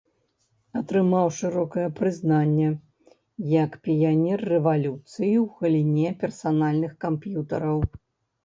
Атрымаў шырокае прызнанне як піянер рэвалюцыі ў галіне персанальных камп'ютараў.